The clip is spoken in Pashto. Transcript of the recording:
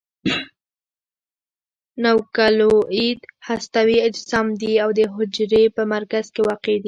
نوکلوئید هستوي اجسام دي او د حجرې په مرکز کې واقع دي.